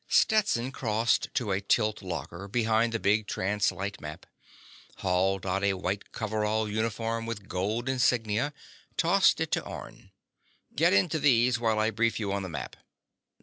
Stetson crossed to a tilt locker behind the big translite map, hauled out a white coverall uniform with gold insignia, tossed it to Orne. "Get into these while I brief you on the map."